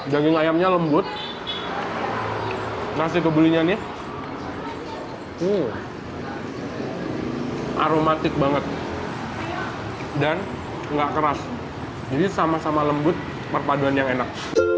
daging ayamnya lembut nasi kebulunya nih aromatik banget dan nggak keras jadi sama sama lembut perpaduan yang enak